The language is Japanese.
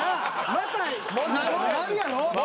またなるやろ？